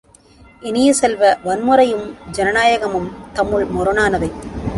இனிய செல்வ, வன்முறையும் ஜனநாயகமும் நம்முள் முரணானவை!